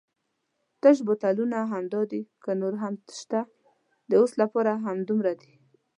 تش بوتلونه همدای دي که نور هم شته؟ د اوس لپاره خو همدومره دي.